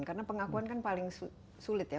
karena pengakuan kan paling sulit ya